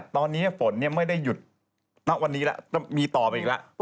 ตอนนี้ฝนไม่ได้หยุดณวันนี้แล้วมีต่อไปอีกแล้ว